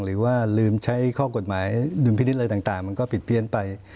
หรือว่าลืมใช้ข้อกฎหมายดุลพินิษฐ์อะไรต่างมันก็ผิดเพี้ยนไป